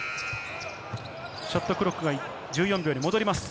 ショットクロックが１４秒に戻ります。